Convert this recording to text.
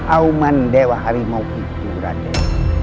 auman dewa harimau itu berada